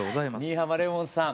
新浜レオンさん